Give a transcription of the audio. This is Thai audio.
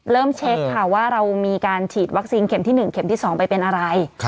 เช็คค่ะว่าเรามีการฉีดวัคซีนเข็มที่๑เข็มที่๒ไปเป็นอะไร